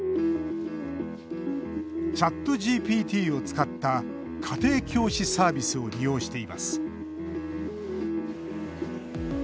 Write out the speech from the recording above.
ＣｈａｔＧＰＴを使った家庭教師サービスを利用しています。